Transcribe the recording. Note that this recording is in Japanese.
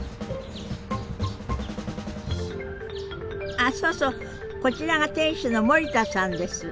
あそうそうこちらが店主の森田さんです。